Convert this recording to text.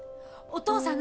お父さん。